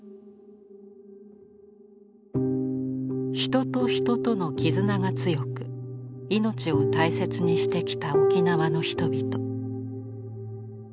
人と人との絆が強く命を大切にしてきた沖縄の人々。